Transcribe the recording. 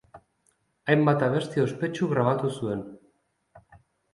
Hainbat abesti ospetsu grabatu zuen.